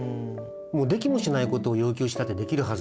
できもしないことを要求したってできるはずない。